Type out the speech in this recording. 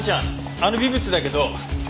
あの微物だけど。